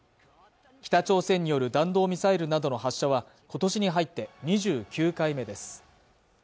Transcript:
北朝鮮による弾道ミサイルなどの発射は今年に入って２９回目です